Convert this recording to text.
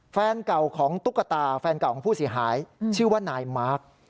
แฟนเก่าของตุ๊กตาแฟนเก่าของผู้เสียหายชื่อว่านายมาร์ค